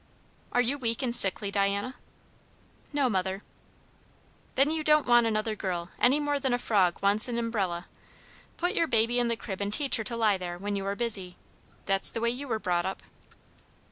"Are you turned weak and sickly, Diana?" "No, mother." "Then you don't want another girl, any more than a frog wants an umbrella. Put your baby in the crib and teach her to lie there, when you are busy. That's the way you were brought up."